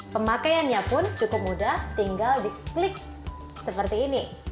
pemakaiannya pun cukup mudah tinggal di klik seperti ini